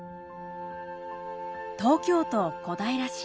東京都小平市。